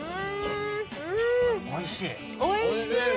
おいしいね